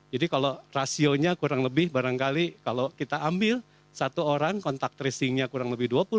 jadi kalau rasionya kurang lebih barangkali kalau kita ambil satu orang kontak tracingnya kurang lebih dua puluh